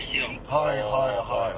あはいはい。